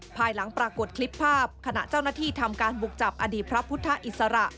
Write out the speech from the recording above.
ภายหลังปรากฏคลิปภาพขณะเจ้าหน้าที่ทำการบุกจับอดีตพระพุทธอิสระ